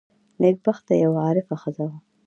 نېکبخته یوه عارفه ښځه وه.